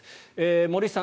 森内さん